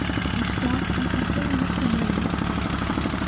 І што, ім пад сілу нешта зрабіць?